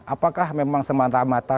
apakah memang semata mata